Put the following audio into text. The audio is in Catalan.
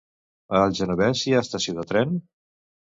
A el Genovés hi ha estació de tren?